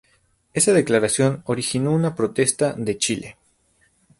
Esa declaración originó una protesta de Chile.